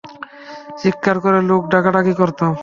চিৎকার করে লোক ডাকাডাকি করতাম।